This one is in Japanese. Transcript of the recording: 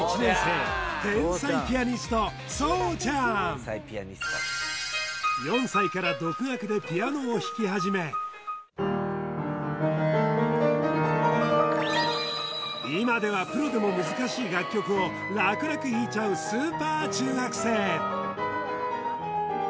現在４歳から独学でピアノを弾き始め今ではプロでも難しい楽曲を楽々弾いちゃうスーパー中学生